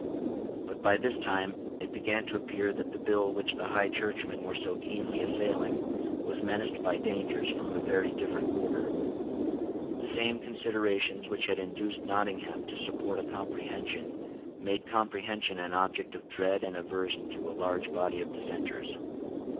But by this time it began to appear that the bill which the High Churchmen were so keenly assailing was menaced by dangers from a very different quarter. The same considerations which had induced Nottingham to support a comprehension made comprehension an object of dread and aversion to a large body of dissenters.